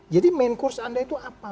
jadi main course anda itu apa